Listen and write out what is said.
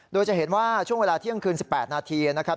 โดยจะเห็นว่าช่วงเวลาเที่ยงคืน๑๘นาทีนะครับ